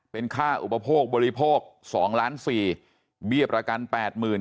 เป็นค่าอุปโภคบริโภค๒ล้านสี่เบี้ยประกันแปดหมื่น